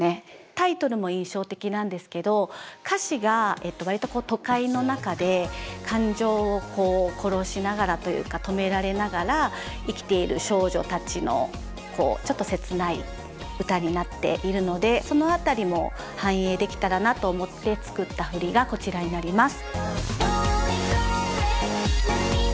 タイトルも印象的なんですけど歌詞が割と都会の中で感情を殺しながらというか止められながら生きている少女たちのこうちょっと切ない歌になっているのでその辺りも反映できたらなと思って作った振りがこちらになります。